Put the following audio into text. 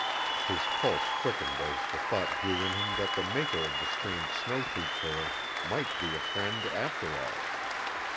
His pulse quickened as the thought grew in him that the maker of the strange snowshoe trail might be a friend after all.